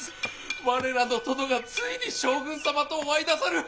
我らの殿がついに将軍様とお会いなさる。